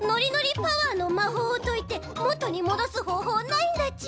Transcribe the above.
パワーのまほうをといてもとにもどすほうほうはないんだち？